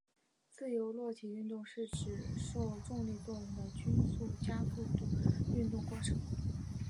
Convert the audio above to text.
自由落体运动是指只受重力作用的均匀加速度运动过程。